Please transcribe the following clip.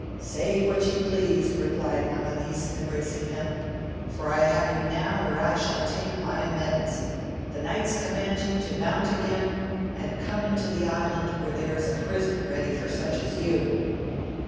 Say what you please, replied Amadis embracing him, for I have you now where I shall take my amends, the knights com mand you to mount again, and come into the island where there is a prison ready for such as you.